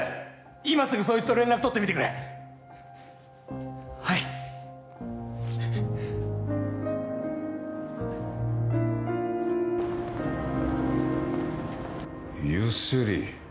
今すぐそいつと連絡取ってみてくれはいゆすり？